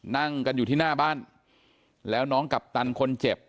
นั่งกันอยู่ที่หน้าบ้านแล้วน้องกัปตันคนเจ็บ